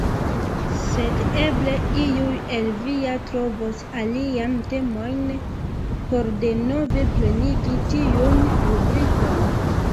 Sed eble iuj el vi ja trovos aliajn temojn, por denove plenigi tiun rubrikon.